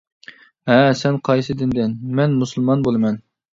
-ھە، سەن قايسى دىندىن؟ -مەن مۇسۇلمان بولىمەن.